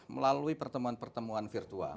melalui pertemuan pertemuan virtual